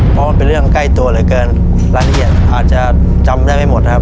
เพราะว่าเป็นเรื่องใกล้ตัวเหลือเกินรายละเอียดอาจจะจำได้ไม่หมดครับ